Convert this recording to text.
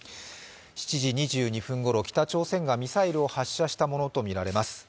７時２２分ごろ、北朝鮮がミサイルを発射したものとみられます。